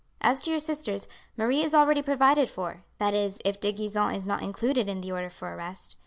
"As to your sisters, Marie is already provided for, that is if De Gisons is not included in the order for arrest.